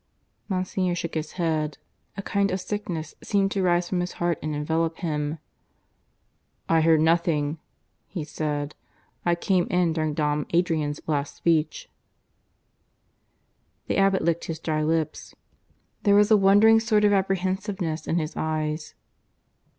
Monsignor shook his head. A kind of sickness seemed to rise from his heart and envelop him. "I heard nothing," he said. "I came in during Dom Adrian's last speech." The abbot licked his dry lips; there was a wondering sort of apprehensiveness in his eyes.